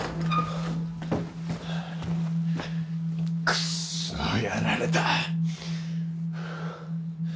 クソッ！やられた！